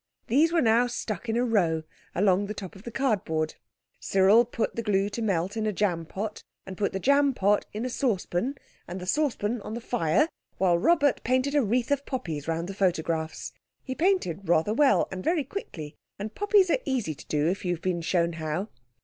These were now stuck in a row along the top of the cardboard. Cyril put the glue to melt in a jampot, and put the jampot in a saucepan and saucepan on the fire, while Robert painted a wreath of poppies round the photographs. He painted rather well and very quickly, and poppies are easy to do if you've once been shown how.